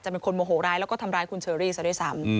เป็นคนโมโหร้ายแล้วก็ทำร้ายคุณเชอรี่ซะด้วยซ้ำ